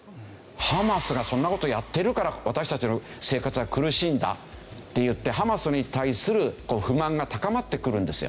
ハマスがそんな事をやってるから私たちの生活は苦しいんだ！っていってハマスに対する不満が高まってくるんですよ。